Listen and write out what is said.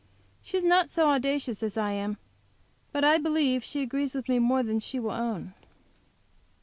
She is not so audacious as I am, but I believe she agrees with me more than she will own.